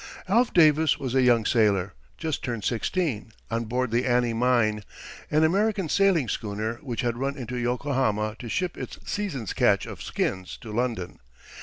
Alf Davis was a young sailor, just turned sixteen, on board the Annie Mine, an American sailing schooner, which had run into Yokohama to ship its season's catch of skins to London.